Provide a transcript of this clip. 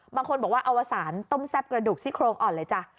บางคนบอกว่าอวสารต้มแซ่บกระดูกซี่โครงอ่อนเลยจ้ะ